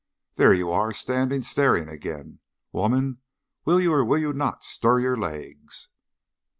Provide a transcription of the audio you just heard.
There you are, standing staring again. Woman, will you or will you not stir your legs?"